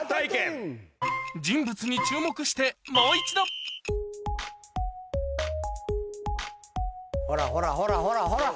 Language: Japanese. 人物に注目してもう一度ほらほらほらほらほら。